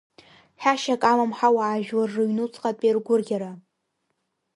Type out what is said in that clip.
Ҳәашьак амам ҳауаажәлар рыҩнуҵҟатәи ргәырӷьара.